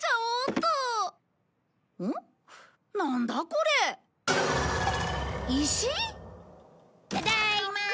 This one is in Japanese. ただいま！